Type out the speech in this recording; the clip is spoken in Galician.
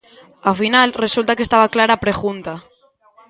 Ao final, resulta que estaba clara a pregunta.